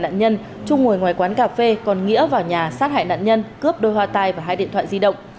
trước ngày một tháng ba trung ngồi ngoài quán cà phê còn nghĩa vào nhà sát hại nạn nhân cướp đôi hoa tài và hai điện thoại di động